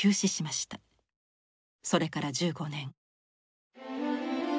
それから１５年。